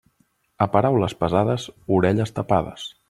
A paraules pesades, orelles tapades.